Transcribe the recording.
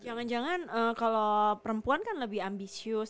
jangan jangan kalau perempuan kan lebih ambisius